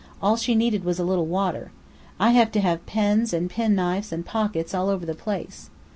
All she needed was a little water. I have to have pins and penknives and pockets all over the place.